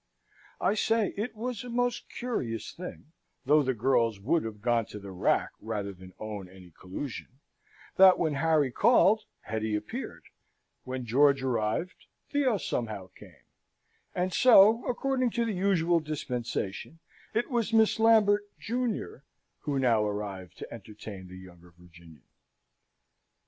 I say it was a most curious thing (though the girls would have gone to the rack rather than own any collusion), that when Harry called, Hetty appeared; when George arrived, Theo somehow came; and so, according to the usual dispensation, it was Miss Lambert, junior, who now arrived to entertain the younger Virginian.